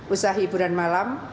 usaha hiburan malam